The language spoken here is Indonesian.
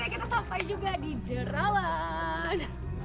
yeay akhirnya kita sampai juga di derawan